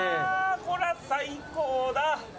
これは最高だ！